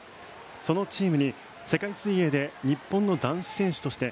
そのチームに世界水泳で日本の男子選手として